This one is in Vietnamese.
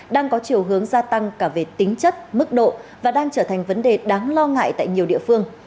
đang có chiều hướng gia tăng cả về tính chất mức độ và đang trở thành vấn đề đáng lo ngại tại nhiều địa phương